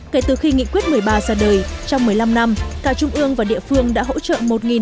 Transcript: kể từ khi nghị quyết một mươi ba ra đời trong một mươi năm năm cả trung ương và địa phương đã hỗ trợ